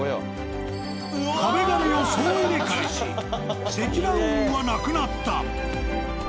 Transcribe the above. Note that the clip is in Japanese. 壁紙を総入れ替えし積乱雲はなくなった。